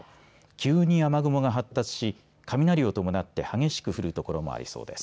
急に雨雲が発達し、雷を伴って激しく降る所もありそうです。